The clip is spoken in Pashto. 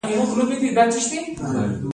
لاتابند لاره ولې اوس نه کارول کیږي؟